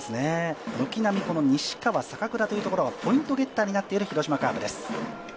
軒並み西川、坂倉がポイントゲッターになっている広島カープです。